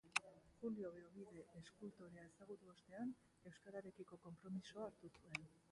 Julio Beobide eskultorea ezagutu ostean, euskararekiko konpromisoa hartu zuen.